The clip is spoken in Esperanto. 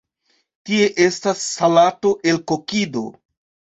Tie estas salato el kokido.